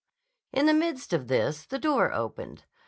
In the midst of this the door opened.